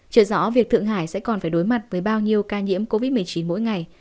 chưa rõ việc thượng hải sẽ còn phải đối mặt với bao nhiêu ca nhiễm covid một mươi chín mỗi ngày